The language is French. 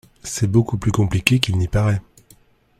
C’est beaucoup plus compliqué qu’il n’y paraît.